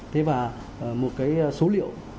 thế và một số liệu